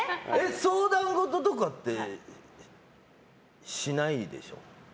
相談事とかってしないでしょ。